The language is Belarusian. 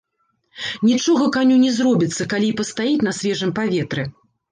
Нічога каню не зробіцца, калі і пастаіць на свежым паветры.